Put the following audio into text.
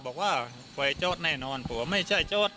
บอกว่าไฟโจ๊ดแน่นอนบอกว่าไม่ใช่โจ๊ด